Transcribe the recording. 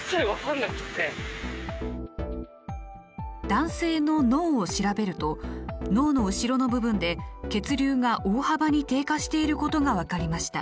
男性の脳を調べると脳の後ろの部分で血流が大幅に低下していることが分かりました。